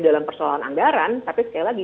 dalam persoalan anggaran tapi sekali lagi